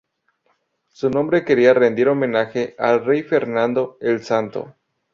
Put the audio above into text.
Su nombre quería rendir homenaje al Rey Fernando el Santo.